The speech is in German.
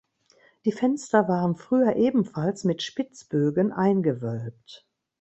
Die Fenster waren früher ebenfalls mit Spitzbögen eingewölbt.